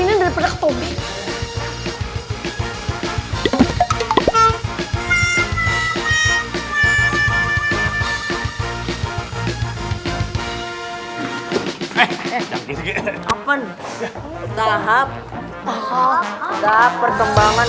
ke depan tapi apa tahap tahap perkembangan hewan